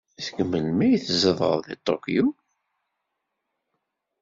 Seg melmi ay tzedɣeḍ deg Tokyo?